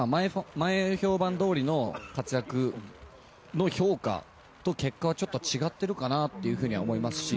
前評判どおりの活躍の評価と結果はちょっと違っているかなとは思いますし。